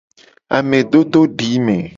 Amedododime.